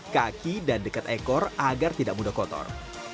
kaki dan dekat ekor agar tidak mudah kotor